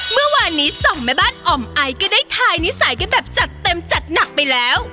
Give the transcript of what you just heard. เมื่อวานนี้สองแม่บ้านอ่อมไอก็ได้ทายนิสัยกันแบบจัดเต็มจัดหนักไปแล้ว